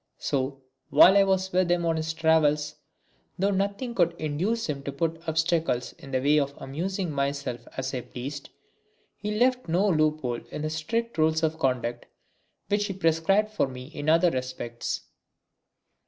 So, while I was with him on his travels, though nothing would induce him to put obstacles in the way of my amusing myself as I pleased, he left no loophole in the strict rules of conduct which he prescribed for me in other respects.